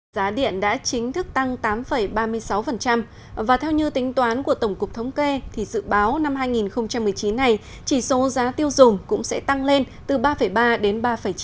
giá điện đã chính thức tăng tám ba mươi sáu và theo như tính toán của tổng cục thống kê thì dự báo năm hai nghìn một mươi chín này chỉ số giá tiêu dùng cũng sẽ tăng lên từ ba ba đến ba chín